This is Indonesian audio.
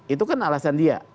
itu kan alasan dia